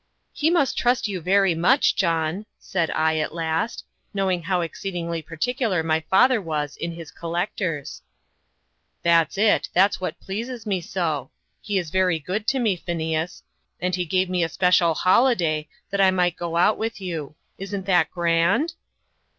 "He must trust you very much, John," said I, at last, knowing how exceedingly particular my father was in his collectors. "That's it that's what pleases me so. He is very good to me, Phineas, and he gave me a special holiday, that I might go out with you. Isn't that grand?"